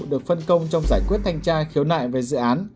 được phân công trong giải quyết thanh tra khiếu nại về dự án